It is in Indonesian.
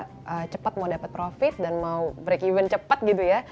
jangan hanya fokus untuk kita cepat mau dapat profit dan mau break even cepat gitu ya